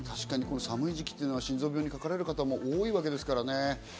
寒い時期は心臓病にかかられる方も多いわけですからね。